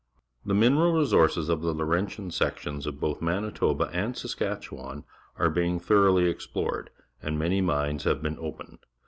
The mineral resources of the Laurentian sections of both Manitoba and Saskatchewan are being through!} explored, and manj' mines have been opened.